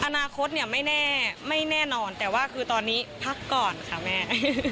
อนาคตเนี่ยไม่แน่ไม่แน่นอนแต่ว่าคือตอนนี้พักก่อนค่ะแม่